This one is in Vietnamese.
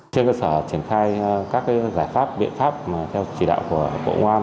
trên cơ sở triển khai các giải pháp biện pháp theo chỉ đạo của bộ ngoan